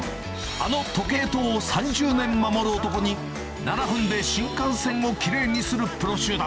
あの時計塔を３０年守る男に、７分で新幹線をきれいにするプロ集団。